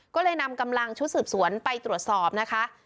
ก็เลยนำกำลังชุดสืบสวนไปตรวจสอบนะคะ